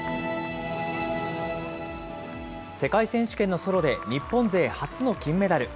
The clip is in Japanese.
世界選手権のソロで日本勢初の金メダル。